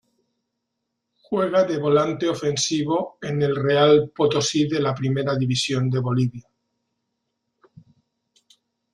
Juega de volante ofensivo en el Real Potosí de la Primera División de Bolivia.